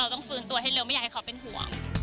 ต้องฟื้นตัวให้เร็วไม่อยากให้เขาเป็นห่วง